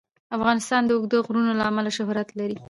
افغانستان د اوږده غرونه له امله شهرت لري.